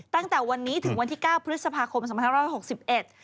ตั้งแต่วันนี้ถึงวันที่๙พฤษภาคมปี๒๑๖๑